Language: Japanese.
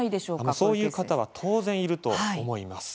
そういう方は当然いると思います。